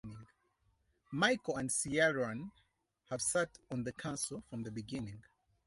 Michael and Ciaran have sat on the council from the beginning.